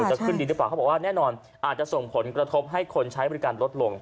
จะขึ้นดีหรือเปล่าเขาบอกว่าแน่นอนอาจจะส่งผลกระทบให้คนใช้บริการลดลง